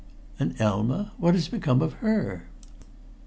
"And Elma? What has become of her?"